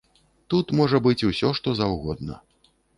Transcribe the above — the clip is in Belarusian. Тут можа быць усё, што заўгодна.